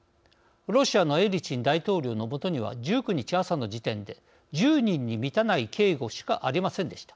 ロシアのエリツィン大統領のもとには１９日朝の時点で１０人に満たない警護しかありませんでした。